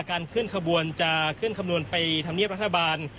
การเคลื่อนขบวนจะเคลื่อนขบวนไปธำเนียบรัฐบาล